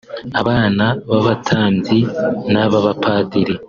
abana b’abatambyi n’abapasiteri…